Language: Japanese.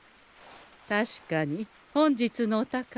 確かに本日のお宝